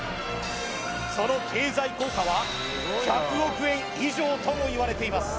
その経済効果は１００億円以上ともいわれています